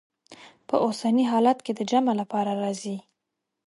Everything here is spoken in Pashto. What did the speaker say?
په اوسني حالت کې د جمع لپاره راځي.